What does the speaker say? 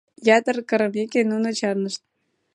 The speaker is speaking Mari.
Ятыр кырымеке, нуно чарнышт.